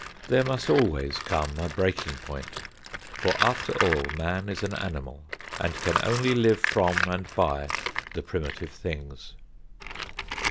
There must always come a breaking point, for, after all, man is an animal and can live only from and by the primitive things.